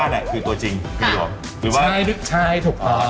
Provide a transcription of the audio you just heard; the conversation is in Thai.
แล้วคลิกก็ใส่แฟน